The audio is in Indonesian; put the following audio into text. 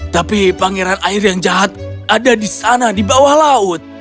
tapi pangeran air yang jahat ada di sana di bawah laut